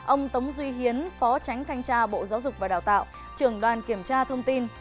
ông tống duy hiến phó tránh thanh tra bộ giáo dục và đào tạo trường đoàn kiểm tra thông tin